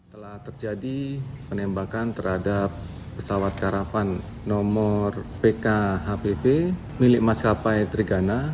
telah terjadi penembakan terhadap pesawat karavan nomor pkhvv milik mas kapal trigana